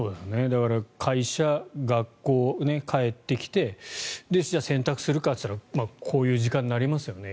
だから、会社、学校帰ってきてじゃあ、洗濯するかというとこういう時間になりますよね。